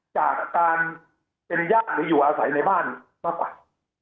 จากการเป็นยะหรืออยู่อาศัยในบ้านมากกว่า